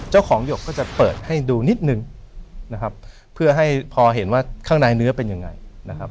หยกขาวเนื้อใสนะครับ